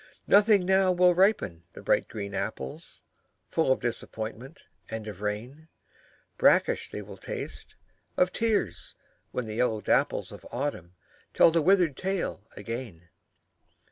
Nothing now will ripen the bright green apples, Full of disappointment and of rain, Brackish they will taste, of tears, when the yellow dapples Of Autumn tell the withered tale again.